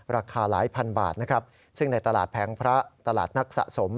ราคาหลายพันบาทนะครับซึ่งในตลาดแพงพระตลาดนักสะสม